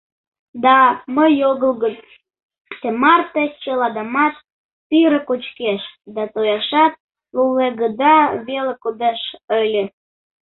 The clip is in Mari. — Да мый огыл гын, тымарте чыладамат пире кочкеш да тояшат лулегыда веле кодеш ыле.